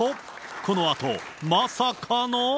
このあとまさかの。